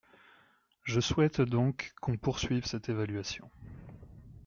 Je souhaite donc qu’on poursuive cette évaluation.